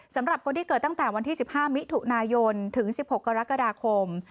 สำหรับคนที่เกิดตั้งแต่วันที่๑๕มิถุนายนถึง๑๖กรกฎาคม